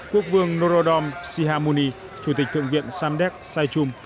quốc vương norodom sihamoni chủ tịch thượng viện samdek saichum